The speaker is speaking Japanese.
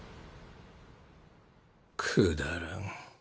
くだらん。